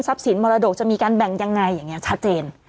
ทรัพย์สินมรดกจะมีการแบ่งอย่างไรอย่างนี้ชัดเจน